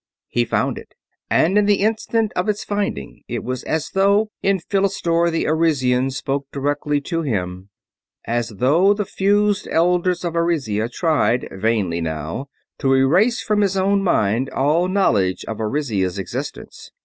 He found it, and in the instant of its finding it was as though Enphilistor the Arisian spoke directly to him; as though the fused Elders of Arisia tried vainly now to erase from his own mind all knowledge of Arisia's existence.